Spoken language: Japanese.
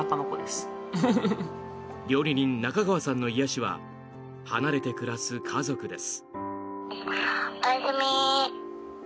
料理人・中川さんの癒やしは離れて暮らす家族です。